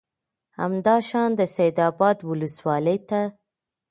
همدا شان د سید آباد ولسوالۍ ته